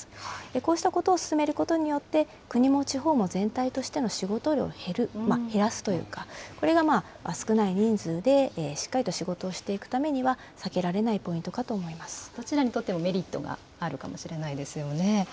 こうしたことを進めることによって、国も地方も全体としての仕事量を減る、減らすというか、これが少ない人数で、しっかりと仕事をしていくためには避けられないポイントかと思いどちらにとっても、メリットがあるかもしれないですよね。